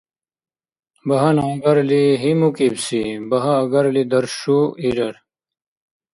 Багьана агарли гьимукӀибси багьа агарли даршуирар.